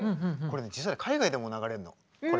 実は海外でも流れるのこれ。